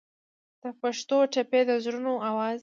د پښتو ټپې د زړونو اواز دی.